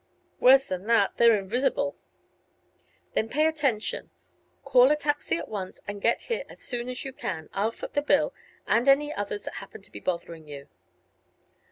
"Worse than that; they're invisible." "Then pay attention. Call a taxi at once, and get here as soon as you can. I'll foot the bill and any others that happen to be bothering you."